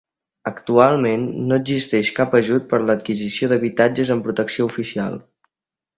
Actualment no existeix cap ajut per a l'adquisició d'habitatges amb protecció oficial.